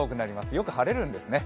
よく晴れるんですね。